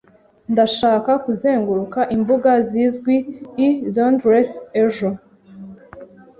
Ndashaka kuzenguruka imbuga zizwi i Londres ejo.